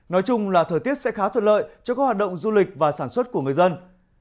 nói chung là thời tiết sẽ khá thuận lợi cho các hoạt động du lịch và sản xuất của người dân